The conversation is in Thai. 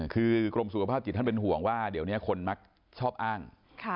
คือกรมสุขภาพจิตท่านเป็นห่วงว่าเดี๋ยวนี้คนมักชอบอ้าง